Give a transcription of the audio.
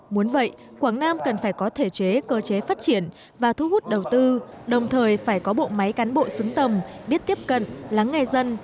muốn vậy quảng nam cần phải có thể chế cơ chế phát triển và thu hút đầu tư đồng thời phải có bộ máy cán bộ xứng tầm biết tiếp cận lắng nghe dân